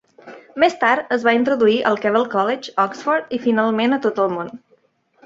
Més tard es va introduir al Keble College, Oxford i finalment a tot el món.